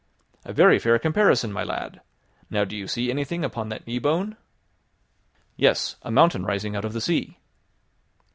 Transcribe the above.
"A very fair comparison, my lad. Now do you see anything upon that knee bone?" "Yes; a mountain rising out of the sea."